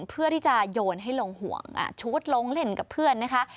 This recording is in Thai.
เพื่อที่จะโยนให้ลงห่วงชุดลงเล่นกับเพื่อนนะคะ